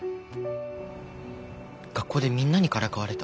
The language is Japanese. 学校でみんなにからかわれた。